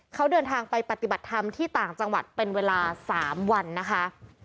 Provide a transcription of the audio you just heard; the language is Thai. เขาเดินทางไปปฏิบัติธรรมที่ต่างจังหวัดเป็นเวลา๓วันนะคะ